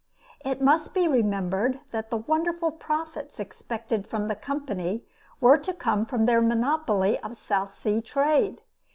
It must be remembered that the wonderful profits expected from the Company were to come from their monopoly of the South Sea trade.